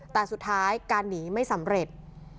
แต่สุดท้ายการหนีไม่สำเร็จ